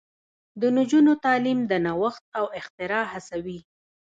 د نجونو تعلیم د نوښت او اختراع هڅوي.